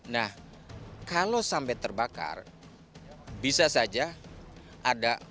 nah kalau sampai terbakar bisa saja ada oknum oknum